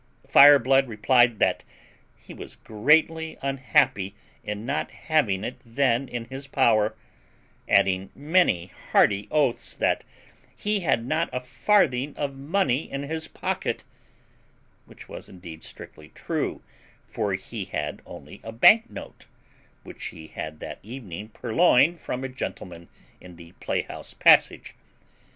Fireblood replied that he was greatly unhappy in not having it then in his power, adding many hearty oaths that he had not a farthing of money in his pocket, which was, indeed, strictly true; for he had only a bank note, which he had that evening purloined from a gentleman in the playhouse passage.